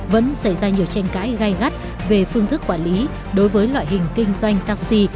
vẫn xảy ra nhiều tranh cãi gai gắt về phương thức quản lý đối với loại hình kinh doanh taxi